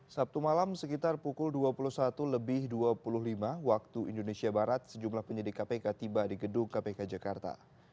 sabtu malam sekitar pukul dua puluh satu lebih dua puluh lima waktu indonesia barat sejumlah penyidik kpk tiba di gedung kpk jakarta